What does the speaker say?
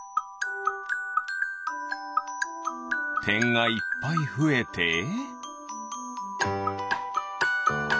てんがいっぱいふえて。